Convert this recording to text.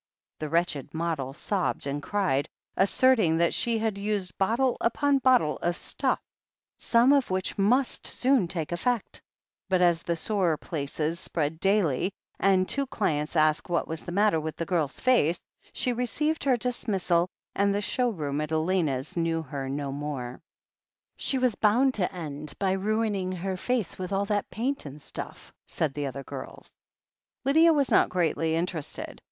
The wretched model sobbed and cried, asserting that she had used bottle upon bottle of "stuff," some of 238 THE HEEL OF ACHILLES which must soon take effect, but as the sore places spread daily, and two clients asked what was the matter with that girl's face, she received her dismissal, and the show room at Elena's knew her no more. "She was boimd to end by ruining her skin with all that paint and stuff/' said the other girls. Lydia was not greatly interested.